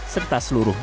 serta seluruh bukit